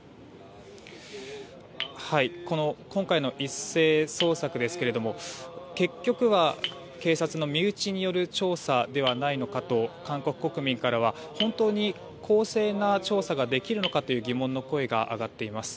今回の一斉捜査ですけれども結局は、警察の身内による調査ではないのかと韓国国民からは、本当に公正な調査はできるのかという疑問の声が上がっています。